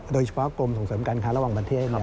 โดยเฉพาะกรมส่งเสริมการค้าระหว่างประเทศ